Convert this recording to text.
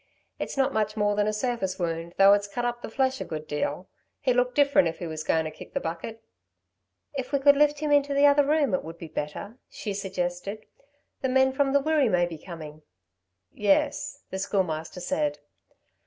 "It's not much more than a surface wound, though it's cut up the flesh a good deal. He'd look different if he was goin' to kick the bucket." "If we could lift him into the other room it would be better," she suggested. "The men from the Wirree may be coming." "Yes," the Schoolmaster said.